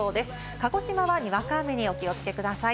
鹿児島はにわか雨にお気をつけください。